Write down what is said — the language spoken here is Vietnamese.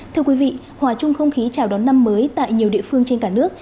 thưa quý vị hòa chung không khí chào đón năm mới tại nhiều địa phương trên cả nước